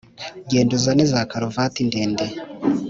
genda uzane za karuvati ndende.